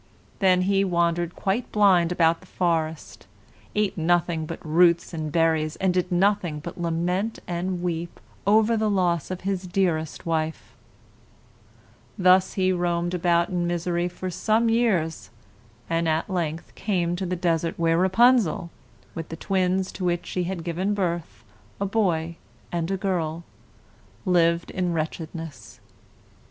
Then he wandered quite blind about the forest, ate nothing but roots and berries, and did nothing but lament and weep over the loss of his dearest wife. Thus he roamed about I in misery for some years, and at length came to the desert where Rapunzel lived in wretchedness.